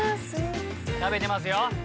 「食べてますよ」